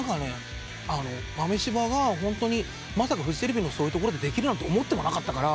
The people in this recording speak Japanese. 豆柴がまさかフジテレビのそういうところでできるなんて思ってもなかったから。